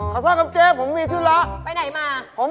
ขอโทษครับเจ๊ผมมีที่นี้ละ